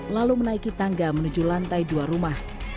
lalu menaiki tangga menuju lantai dua rumah